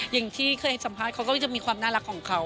อย่างที่เคยสัมภาษณ์เขาก็จะมีความน่ารักของเขา